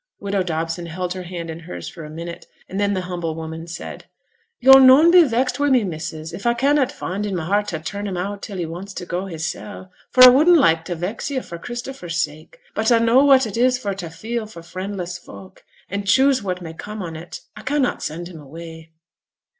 Widow Dobson held her hand in hers for a minute, then the humble woman said, 'Yo'll noane be vexed wi' me, missus, if a cannot find i' my heart t' turn him out till he wants to go hissel'? For a wouldn't like to vex yo', for Christopher's sake; but a know what it is for t' feel for friendless folk, an' choose what may come on it, I cannot send him away.'